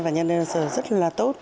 và nhân dân indonesia rất là tốt